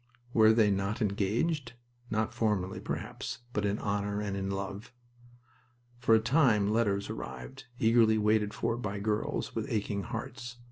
Were they not engaged? Not formally, perhaps, but in honor and in love. For a time letters arrived, eagerly waited for by girls with aching hearts.